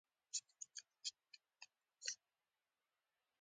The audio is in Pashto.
زه وايم ژړک دي وي زمرک دي وي